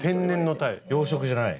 養殖じゃない。